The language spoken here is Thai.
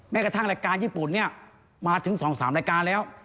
กระทั่งรายการญี่ปุ่นเนี่ยมาถึง๒๓รายการแล้ว